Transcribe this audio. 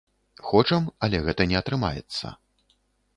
Хочам, але гэта не атрымаецца.